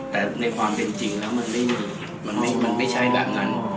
แต่ในความเป็นจริงแล้วมันไม่มีมันไม่ใช่แบบนั้น